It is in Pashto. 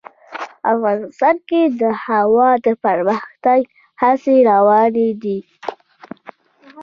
افغانستان کې د هوا د پرمختګ هڅې روانې دي.